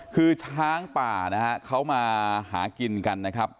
คือช้างป่านะฮะเขามาหากินกันนะครับ